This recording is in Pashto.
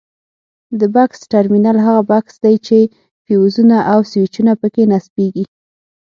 د بکس ټرمینل هغه بکس دی چې فیوزونه او سویچونه پکې نصبیږي.